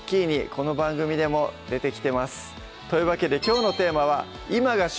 この番組でも出てきてますというわけできょうのテーマは「今が旬！